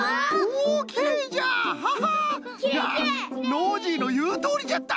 ノージーのいうとおりじゃった。